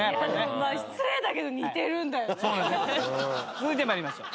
続いて参りましょう。